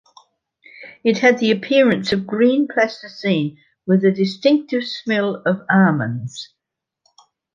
It had the appearance of green plasticine with a distinctive smell of almonds.